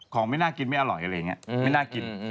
ไม่น่ากินไม่อร่อยอะไรอย่างนี้ไม่น่ากิน